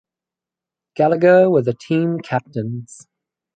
Gallagher were the team captains.